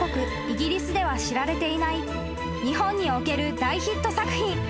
イギリスでは知られていない日本における大ヒット作品。